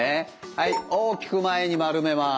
はい大きく前に丸めます。